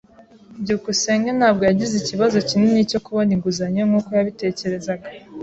byukusenge ntabwo yagize ikibazo kinini cyo kubona inguzanyo nkuko yabitekerezaga.